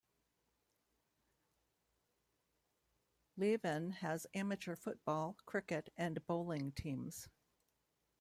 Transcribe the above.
Leven has amateur football, cricket and bowling teams.